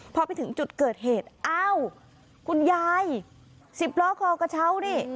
พอไปถึงจุดเกิดเหตุอ้าวคุณยาย๑๐ล้อคอกระเช้านี่